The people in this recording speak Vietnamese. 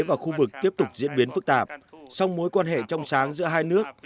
và khu vực tiếp tục diễn biến phức tạp song mối quan hệ trong sáng giữa hai nước